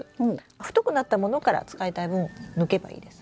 太くなったものから使いたい分抜けばいいです。